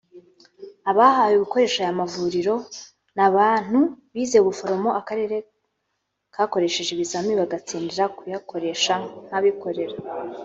Abahawe gukoresha aya mavuriro ni abantu bize ubuforomo akarere kakoresheje ibizamini bagatsindira kuyakoresha nk’abikorera